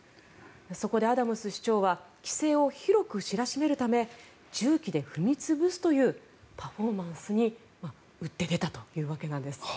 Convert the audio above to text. そこでアダムス市長は規制を広く知らしめるため重機で踏み潰すというパフォーマンスに打って出たというわけなんです。